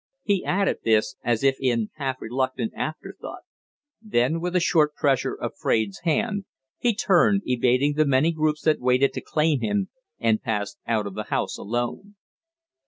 he added this as if in half reluctant after thought. Then, with a short pressure of Fraide's hand, he turned, evading the many groups that waited to claim him, and passed out of the House alone.